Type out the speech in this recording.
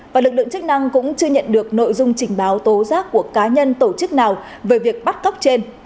và lực lượng chức năng cũng chưa nhận được nội dung trình báo tố giác của cá nhân tổ chức nào về việc bắt cóc trên